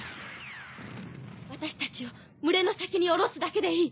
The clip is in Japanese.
私たちを群れの先に降ろすだけでいい。